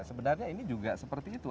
sebenarnya ini juga seperti itu